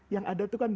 yang ada itu kan